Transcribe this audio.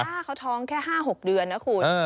แสดงหน้าเขาท้องแค่๕๖เดือนนะคุณ